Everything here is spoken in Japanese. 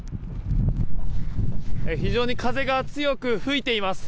非常に風が強く吹いています。